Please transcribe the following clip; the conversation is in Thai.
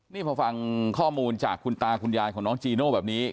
นี่พอฟังข้อมูลจากคุณตาคุณยายของน้องจีโน่แบบนี้